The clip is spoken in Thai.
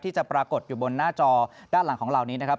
จะปรากฏอยู่บนหน้าจอด้านหลังของเรานี้นะครับ